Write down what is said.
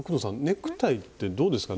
ネクタイってどうですか？